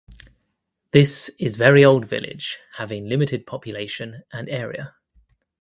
This is very old village having limited population and area.